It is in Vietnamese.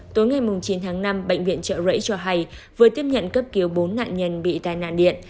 tối ngày chín tháng năm bệnh viện trợ rẫy cho hay vừa tiếp nhận cấp cứu bốn nạn nhân bị tai nạn điện